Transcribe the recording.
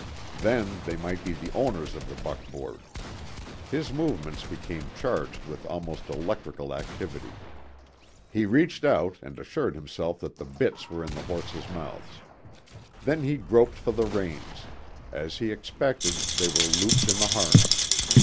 Then, they might be the owners of the buckboard. His movements became charged with almost electrical activity. He reached out and assured himself that the bits were in the horses' mouths. Then he groped for the reins; as he expected, they were looped in the harness.